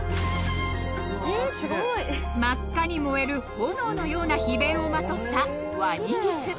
真っ赤に燃える炎のような皮弁をまとった「ワニギス」